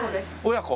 親子。